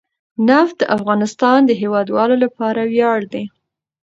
نفت د افغانستان د هیوادوالو لپاره ویاړ دی.